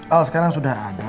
al sekarang sudah ada